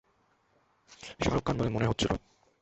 শাহরুখ খান বলে মনে হচ্ছিলো।